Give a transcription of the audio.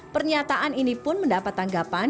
pernyataan ini pun mendapat tanggapan